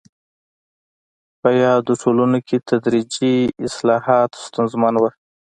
په یادو ټولنو کې تدریجي اصلاحات ستونزمن وو.